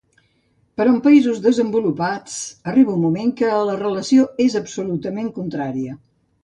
Però en països desenvolupats, arriba un moment que la relació és absolutament la contrària.